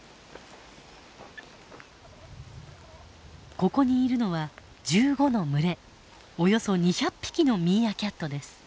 ここにいるのは１５の群れおよそ２００匹のミーアキャットです。